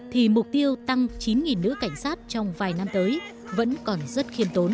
thì mục tiêu tăng chín nữ cảnh sát trong vài năm tới vẫn còn rất khiêm tốn